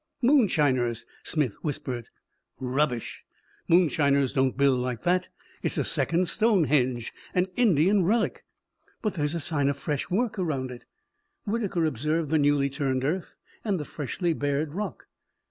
"Moonshiners," Smith whispered. "Rubbish. Moonshiners don't build like that. It's a second Stonehenge. An Indian relic." "But there's a sign of fresh work around it." Whitaker observed the newly turned earth and the freshly bared rock.